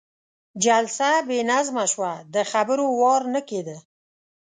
جلسه بې نظمه شوه، د خبرو وار نه کېده.